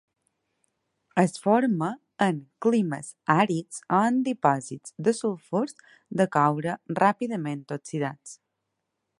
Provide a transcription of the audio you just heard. Es forma en climes àrids o en dipòsits de sulfurs de coure ràpidament oxidats.